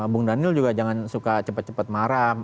bung daniel juga jangan suka cepat cepat marah